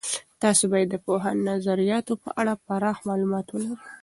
تاسې باید د پوهاند نظریاتو په اړه پراخ معلومات ولرئ.